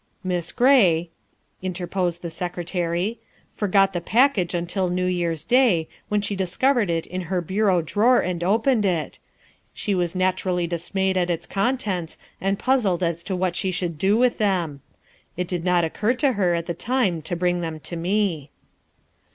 " Miss Gray," interposed the Secretary, " forgot the package until New Year's Day, when she discovered it in her bureau drawer and opened it. She was naturally dismayed at its contents and puzzled as to what she should do with them. It did not occur to her at the time to bring them to me."